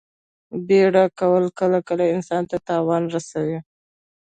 بیړه کول کله کله انسان ته تاوان رسوي.